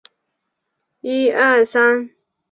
此事也震动了当时的法国政坛。